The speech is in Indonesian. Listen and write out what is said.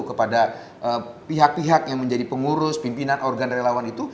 kepada pihak pihak yang menjadi pengurus pimpinan organ relawan itu